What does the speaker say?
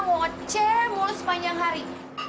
ngoceh mulut sepanjang hari